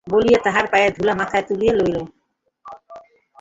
বলিয়া তাঁহার পায়ের ধূলা মাথায় তুলিয়া লইল।